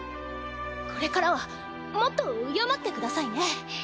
これからはもっと敬ってくださいね。